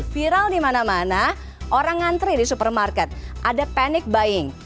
viral di mana mana orang ngantri di supermarket ada panic buying